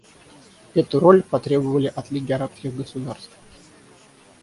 Эту роль потребовали от Лиги арабских государств.